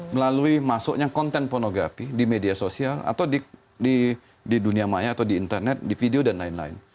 melalui masuknya konten pornografi di media sosial atau di dunia maya atau di internet di video dan lain lain